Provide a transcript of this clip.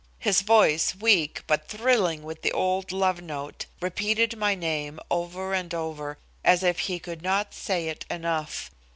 His voice, weak, but thrilling with the old love note, repeated my name over and over, as if he could not say it enough.